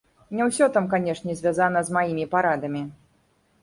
Не ўсё там, канешне, звязана з маімі парадамі.